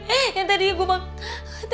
eh yang tadinya gue bakal